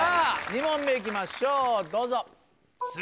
２問目いきましょうどうぞ。